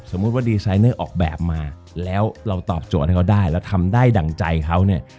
ว่าดีไซเนอร์ออกแบบมาแล้วเราตอบโจทย์ให้เขาได้แล้วทำได้ดั่งใจเขาเนี่ย